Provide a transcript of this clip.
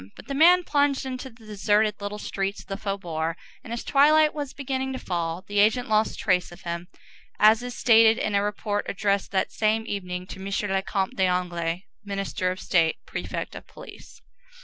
But the man plunged into the deserted little streets of the faubourg, and as twilight was beginning to fall, the agent lost trace of him, as is stated in a report addressed that same evening to M. le Comte d'Anglès, Minister of State, Prefect of Police.